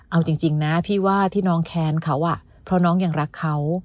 เอาจริงนะพี่ว่าที่น้องแค้นเขาเพราะน้องยังรักเขา